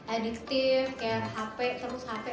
editif kayak handphone terus handphone